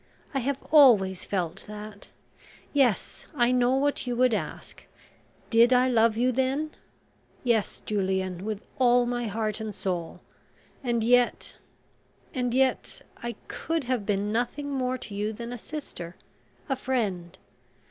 I have always felt that... yes, I know what you would ask. Did I love you then? Yes, Julian, with all my heart and soul... and yet and yet I could have been nothing more to you than a sister, a friend.